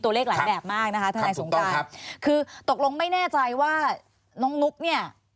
หลายแบบมากนะคะทนายสงการคือตกลงไม่แน่ใจว่าน้องนุ๊กเนี่ย